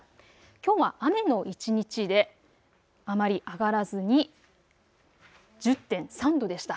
きょうは雨の一日であまり上がらずに１０．３度でした。